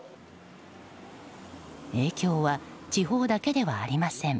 影響は地方だけではありません。